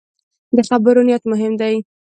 د خبرو نیت مهم دی